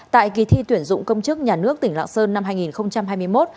tại kỳ thi tuyển dụng công chức nhà nước tỉnh lạng sơn năm hai nghìn hai mươi một